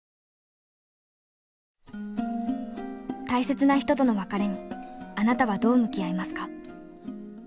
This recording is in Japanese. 大切な人との別れにあなたはどう向き合いますか？